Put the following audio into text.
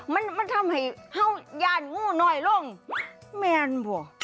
มันทำให้เฮ่าย่านงู้น้อยลงแมนป่ะ